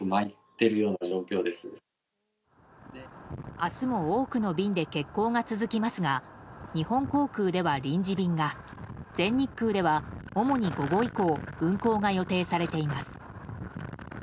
明日も多くの便で欠航が続きますが日本航空では臨時便が全日空では、主に午後以降運航が予定されています。